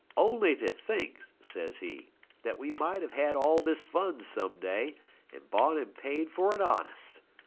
'Only to think,' says he, 'that we might have had all this fun some day, and bought and paid for it honest.